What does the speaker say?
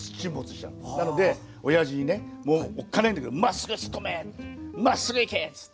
なのでおやじにねもうおっかねぇんだけど「まっすぐ突っ込め！」って「まっすぐ行け！」っつって。